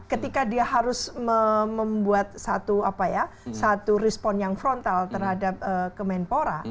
ketika dia harus membuat satu respon yang frontal terhadap kemenpora